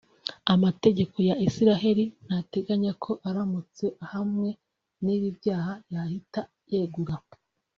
Amategeko ya Israel ntateganya ko aramutse ahamwe n’ibi byaha yahita yegura